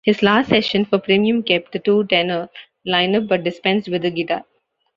His last session for Premium kept the two-tenor lineup but dispensed with the guitar.